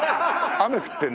雨降ってる。